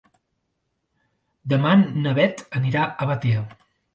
Demà na Beth anirà a Batea.